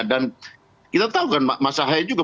dan kita tahu kan mas ahy juga mempunyai kekuatan